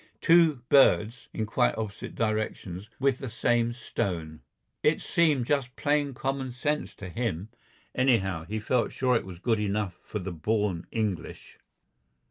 Two birds (in quite opposite directions) with the same stone. It seemed just plain common sense to him. Anyhow, he felt sure it was good enough for the born English....